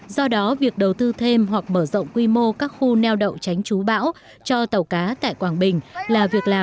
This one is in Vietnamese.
do đó việc đầu tư thêm hoặc mở rộng quy mô các khu neo đậu tránh chú bão cho tàu cá tại quảng bình là việc làm